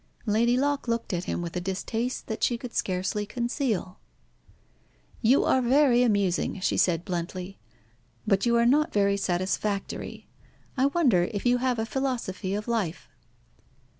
Lady Locke looked at him with a distaste that she could scarcely conceal. "You are very amusing," she said bluntly. "But you are not very satisfactory. I wonder if you have a philosophy of life?"